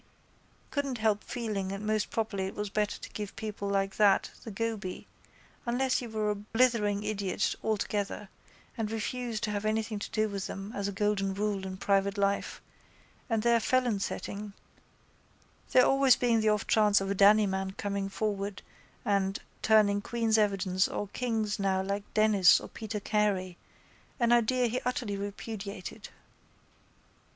couldn't help feeling and most properly it was better to give people like that the goby unless you were a blithering idiot altogether and refuse to have anything to do with them as a golden rule in private life and their felonsetting, there always being the offchance of a Dannyman coming forward and turning queen's evidence or king's now like Denis or Peter Carey, an idea he utterly repudiated.